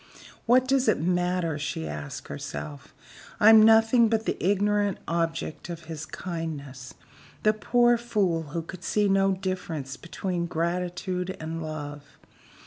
"What does it matter?" she asked herself. "I'm nothing but the ignorant object of his kindness the poor fool who could see no difference between gratitude and love.